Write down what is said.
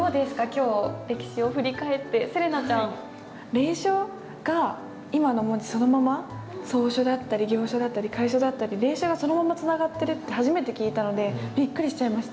隷書が今の文字そのまま草書だったり行書だったり楷書だったり隷書がそのままつながってるって初めて聞いたのでびっくりしちゃいました。